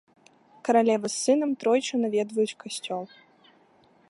Каралева з сынам тройчы наведваюць касцёл.